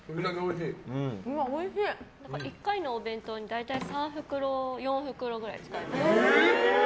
１回のお弁当に大体３袋４袋くらい使います。